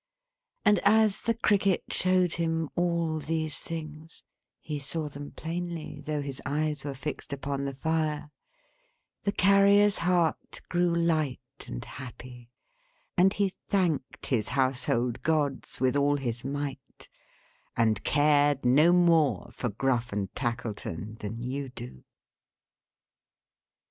And as the Cricket showed him all these things he saw them plainly, though his eyes were fixed upon the fire the Carrier's heart grew light and happy, and he thanked his Household Gods with all his might, and cared no more for Gruff and Tackleton than you do.